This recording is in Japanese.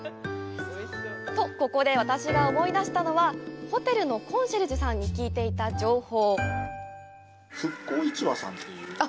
と、ここで私が思い出したのは、ホテルのコンシェルジュさんに聞いていた情報。